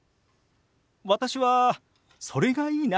私はそれがいいな。